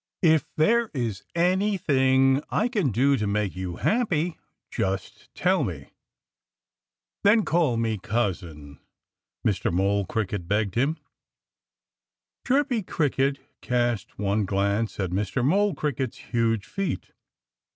"If there is anything I can do to make you happy, just tell me!" "Then call me 'Cousin'!" Mr. Mole Cricket begged him. Chirpy Cricket cast one glance at Mr. Mole Cricket's huge feet.